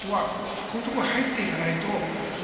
こういうところに入っていかないと。